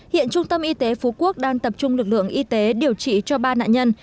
hiện trung tâm y tế phú quốc đang tập trung lực lượng y tế điều trị cho ba nạn nhân